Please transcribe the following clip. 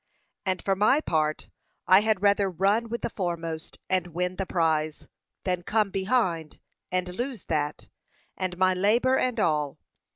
And for my part, I had rather run with the foremost and win the prize, than come behind, and lose that, and my labour, and all.